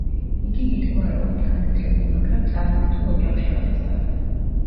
იგი დიდგვაროვან, განათლებულ, მაგრამ წარმართულ ოჯახში აღიზარდა.